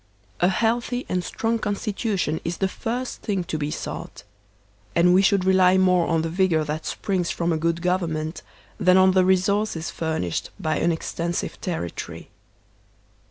A healthy and strong constitution is the first thing to be sought; and we should rely more on the vigor that springs from a good government than on the resources furnished by an extensive territory.